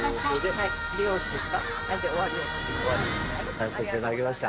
買わせていただきました。